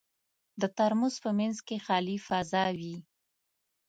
د ترموز په منځ کې خالي فضا وي.